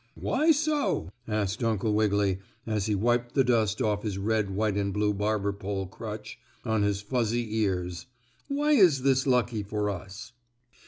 "Why so!" asked Uncle Wiggily, and he wiped the dust off his red white and blue barber pole crutch on his fuzzy ears. "Why is this lucky for us?"